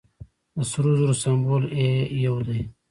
د سرو زرو سمبول ای یو دی.